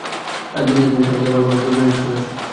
দিনকে দিন তার প্রতি আমার ভালোবাসা বেড়েই চলেছে!